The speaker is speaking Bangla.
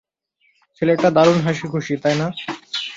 ছেলেটা দারুণ হাসিখুশি, তাই না?